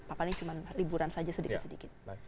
apalagi cuma liburan saja sedikit sedikit